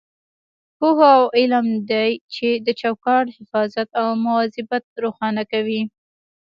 پوهه او علم دی چې د چوکاټ حفاظت او مواظبت روښانه کوي.